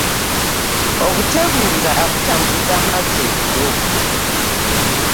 Obuteebuuza butambuza amazzi ekiro.